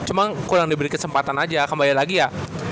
cuma kurang diberi kesempatan aja kembali lagi ya